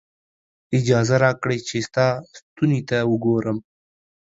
اجازه راکړئ چې ستا ستوني ته وګورم.